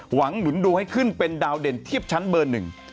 หนุนดูให้ขึ้นเป็นดาวเด่นเทียบชั้นเบอร์หนึ่ง